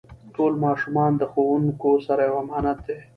ټول ماشومان د ښوونکو سره یو امانت دی.